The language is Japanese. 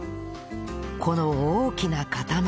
この大きな塊